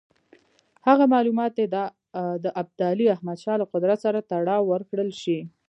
هغه معلومات دې د ابدالي احمدشاه له قدرت سره تړاو ورکړل شي.